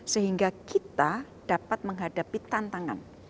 sehingga kita dapat menghadapi tantangan